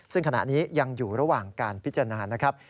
ซึ่งขณะนี้ยังอยู่ระหว่างการพิจารณานะครับ